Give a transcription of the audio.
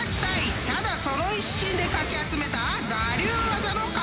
［ただその一心でかき集めた我流技の数々］